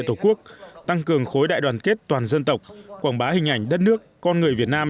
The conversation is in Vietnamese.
tổ quốc tăng cường khối đại đoàn kết toàn dân tộc quảng bá hình ảnh đất nước con người việt nam